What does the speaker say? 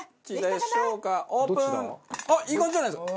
あっいい感じじゃないですか！